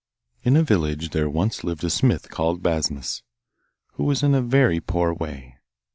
In a village there once lived a smith called Basmus, who was in a very poor way.